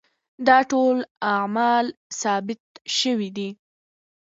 دا ټول اعمال ثابت شوي دي.